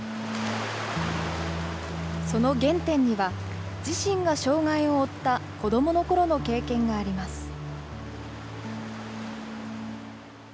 その原点には、自身が障害を負った子どものころの経験があります。